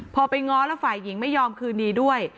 พอไปง้อแล้วฝ่ายหญิงไม่ยอมคืนดีด้วย